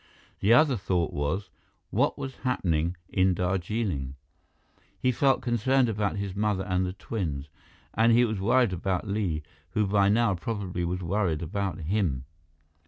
The other thought was what was happening in Darjeeling? He felt concerned about his mother and the twins. And he was worried about Li, who by now probably was worried about him.